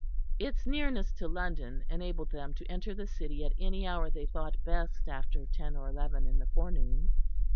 Its nearness to London enabled them to enter the city at any hour they thought best after ten or eleven in the forenoon.